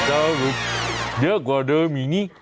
เจอเยอะกว่าเดิมอย่างนี้